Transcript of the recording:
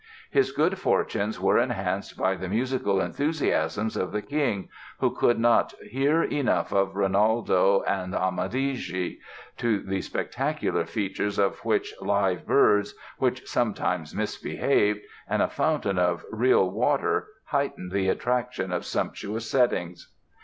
His good fortunes were enhanced by the musical enthusiasms of the King, who could not hear enough of "Rinaldo" and "Amadigi" (to the spectacular features of which live birds, which sometimes misbehaved, and a fountain of real water, heightened the attractions of sumptuous settings).